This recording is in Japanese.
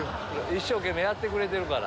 一生懸命やってくれてるから。